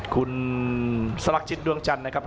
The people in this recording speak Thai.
ยังเหลือคู่มวยในรายการ